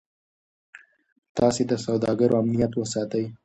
تاسي د سوداګرو امنیت وساتئ.